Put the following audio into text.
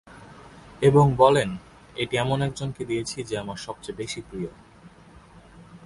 এবং বলেন এটি এমন একজনকে দিয়েছি যে আমার সবচেয়ে বেশি প্রিয়।